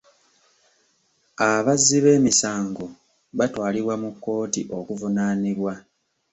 Abazzi b'emisango batwalibwa mu kkooti okuvunaanibwa.